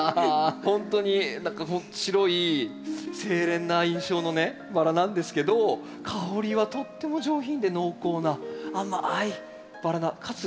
ほんとに何か白い清廉な印象のねバラなんですけど香りはとっても上品で濃厚な甘いバラなかつ